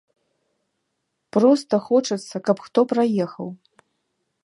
Проста хочацца, каб хто праехаў.